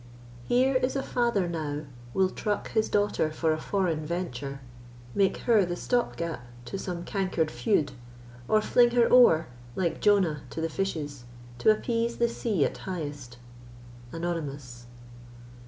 Here is a father now, Will truck his daughter for a foreign venture, Make her the stop gap to some canker'd feud, Or fling her o'er, like Jonah, to the fishes, To appease the sea at highest. ANONYMOUS.